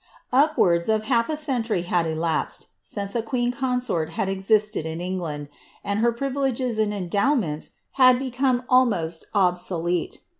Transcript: Upwards of half a century had elapsed since a queen*consort had existed in England, and her privileges and endowments had become almost obsolete.